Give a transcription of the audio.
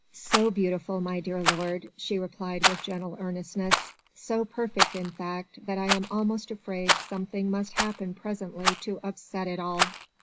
"So beautiful, my dear lord," she replied with gentle earnestness, "so perfect, in fact, that I am almost afraid something must happen presently to upset it all."